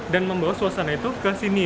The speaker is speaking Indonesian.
dan membawa suasana itu ke sini